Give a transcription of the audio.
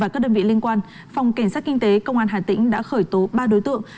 các đơn vị liên quan phòng cảnh sát kinh tế công an hà tĩnh đã khởi tố ba đối tượng